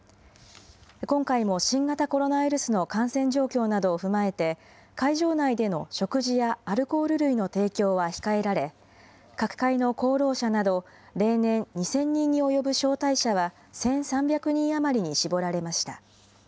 今回も新型コロナウイルスの感染状況などを踏まえて、会場内での食事やアルコール類の提供は控えられ、各界の功労者など、例年、２０００人に及ぶ招待者は１３００人余りに絞られました。